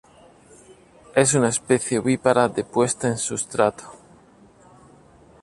Es una especie ovípara de puesta en sustrato.